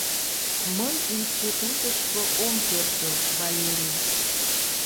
Мый институтышко ом пӧртыл, Валерий!